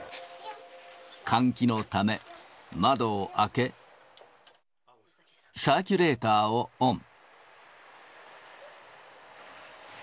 換気のため、窓を開け、サーキュレーターをオン。